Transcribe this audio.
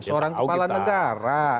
seorang kepala negara